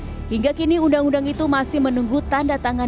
sehingga kini undang undang itu memiliki kemampuan untuk memperbaiki kemampuan